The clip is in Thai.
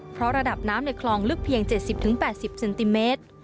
เพราะระดับน้ำในคลองลึกเพียง๗๐๘๐เซนติเมตร